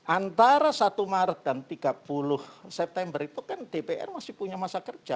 antara satu maret dan tiga puluh september itu kan dpr masih punya masa kerja